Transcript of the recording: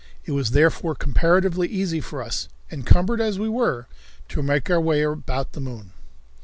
It was therefore comparatively easy for us, encumbered as we were, to make our way about on the moon.